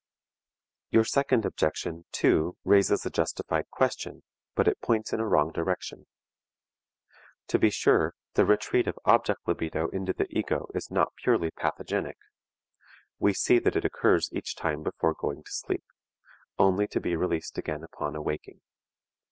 Your second objection, too, raises a justified question, but it points in a wrong direction. To be sure the retreat of object libido into the ego is not purely pathogenic; we see that it occurs each time before going to sleep, only to be released again upon awaking.